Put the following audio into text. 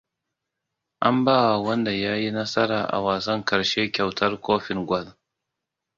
An bawa wanda ya yi nasara a wasan ƙarshe kyautar kofin gwal.